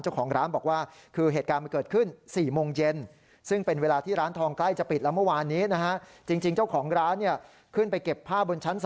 เจ้าของร้านบอกว่าคือเหตุการณ์มันเกิดขึ้น๔โมงเย็น